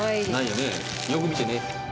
よく見てね。